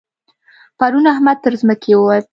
پرون احمد تر ځمکې ووت.